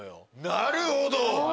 なるほど！